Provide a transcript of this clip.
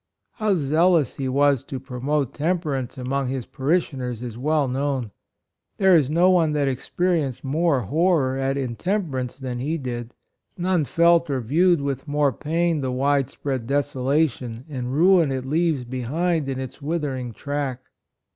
How zealous he was to promote temperance among his parishioners is well known. There is no one that experienced more horror at intemperance than he did — none felt or viewed with more pain the 116 PASTORAL RELATIONS. wide spread desolation and ruin it leaves behind in its withering track.